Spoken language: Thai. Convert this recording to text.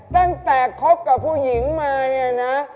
ตั้งแต่คบกับผู้หญิงมาเนี่ยนะ